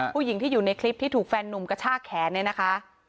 ผู้หญิงที่อยู่ในคลิปที่ถูกแฟนนุ่มกระชากแขนเนี่ยนะคะ